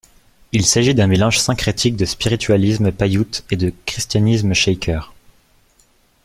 Il s'agit d'un mélange syncrétique de spiritualisme Païute et de christianisme Shaker.